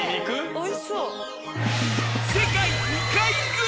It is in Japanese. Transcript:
おいしそう。